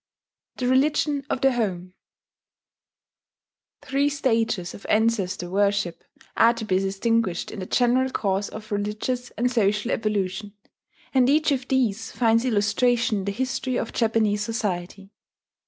THE RELIGION OF THE HOME Three stages of ancestor worship are to be distinguished in the general course of religious and social evolution; and each of these finds illustration in the history of Japanese society.